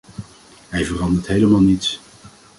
Hij verandert helemaal niets.